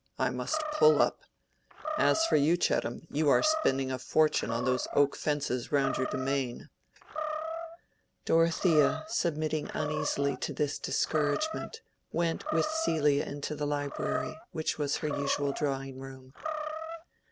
I must pull up. As for you, Chettam, you are spending a fortune on those oak fences round your demesne." Dorothea, submitting uneasily to this discouragement, went with Celia into the library, which was her usual drawing room.